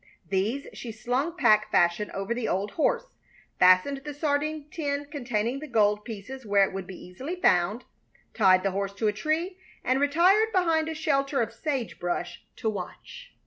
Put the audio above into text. These she slung pack fashion over the old horse, fastened the sardine tin containing the gold pieces where it would be easily found, tied the horse to a tree, and retired behind a shelter of sage brush to watch.